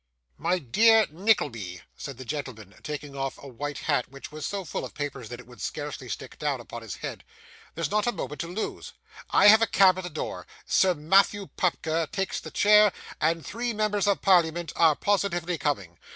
'My dear Nickleby,' said the gentleman, taking off a white hat which was so full of papers that it would scarcely stick upon his head, 'there's not a moment to lose; I have a cab at the door. Sir Matthew Pupker takes the chair, and three members of Parliament are positively coming.